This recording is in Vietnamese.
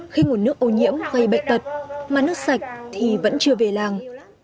khi nguồn nước ô nhiễm gây bệnh tật mà nước sạch thì vẫn chưa về làng